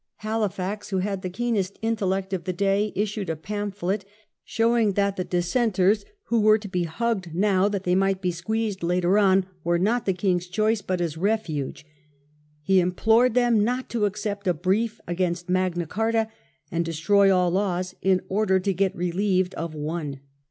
Halifax, who had the keenest intellect of the day, issued a pamphlet^ showing that the Dissenters, who were to be " hugged " now that they might be " squeezed " later on, were not the king's choice but his refuge; he implored them not to accept a brief against Magna Carta and destroy all laws in order to get relieved of one.